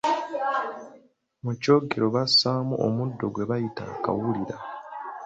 Mu kyogero bassaamu omuddo gwe bayita akawulira.